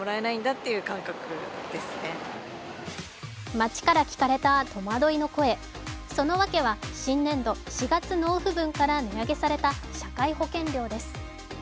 町から聞かれた戸惑いの声、そのわけは新年度・４月納付分から値上げされた社会保険料です。